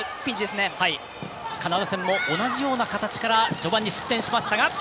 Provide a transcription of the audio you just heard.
カナダ戦も同じような形から序盤に失点しましたが。